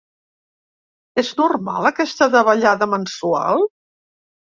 És normal aquesta davallada mensual?